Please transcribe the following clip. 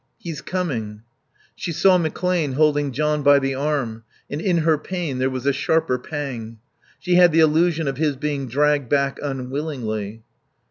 "He's coming." She saw McClane holding John by the arm, and in her pain there was a sharper pang. She had the illusion of his being dragged back unwillingly.